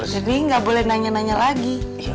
jadi nggak boleh nanya nanya lagi